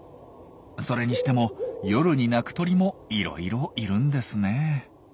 それにしても夜に鳴く鳥もいろいろいるんですね。